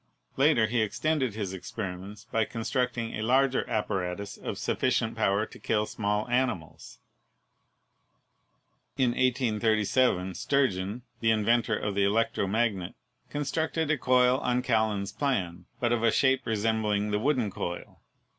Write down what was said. Later he extended his experiments by constructing a larger ap paratus of sufficient power to kill small animals. In 1837, Sturgeon, the inventor of the electromagnet, constructed a coil on Callan's plan, but of a shape re sembling the wooden coil.